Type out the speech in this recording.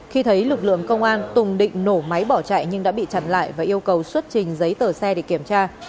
khi thấy lực lượng công an tùng định nổ máy bỏ chạy nhưng đã bị chặn lại và yêu cầu xuất trình giấy tờ xe để kiểm tra